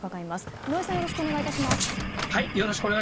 井上さん、よろしくお願いします。